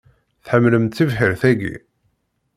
Tḥemlemt tibḥirt-ayi?